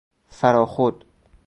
فراخود